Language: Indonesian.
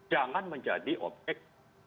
jangan menjadi objek